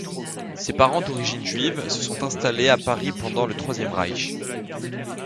Ses parents d'origine juive se sont installés à Paris pendant le Troisième Reich.